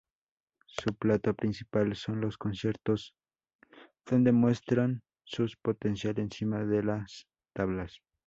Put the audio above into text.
Su plato principal son los conciertos, donde muestran su potencial encima de las tablas.